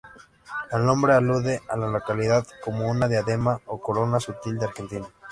El nombre alude a la localidad como una diadema o corona sutil de Argentina.